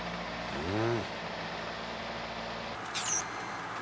うん。